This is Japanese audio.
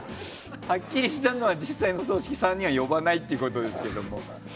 はっきりしたのは実際のお葬式には呼ばないってことですけども。